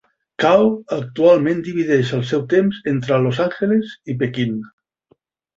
Kao actualment divideix el seu temps entre los Angeles i Pequín.